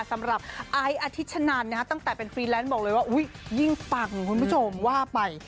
ไอ้อธิชนันตั้งแต่เป็นฟรีแลนซ์บอกเลยว่ายิ่งปังคุณผู้ชมว่าไป